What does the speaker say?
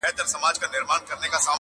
بې څښلو مي مِزاج د مستانه دی-